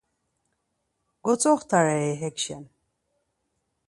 Gotzoxtarei hekşen.